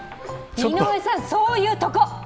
井上さん、そういうとこ！！